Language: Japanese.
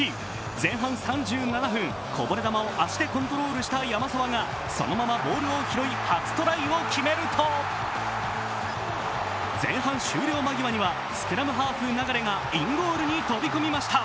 前半３７分、こぼれ球を足でコントロールした山沢がそのままボールを拾い初トライを決めると前半終了間際にはスクラムハーフ・流がインゴールに飛び込みました。